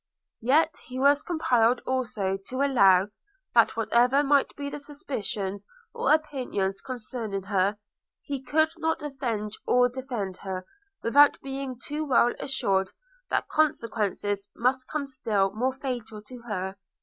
Yet he was compelled also to allow, that whatever might be the suspicions or opinions concerning her, he could not avenge or defend her, without being too well assured that consequences must come still more fatal to her.